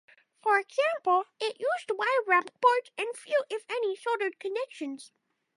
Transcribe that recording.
For example, it used wire wrap boards and few, if any, soldered connections.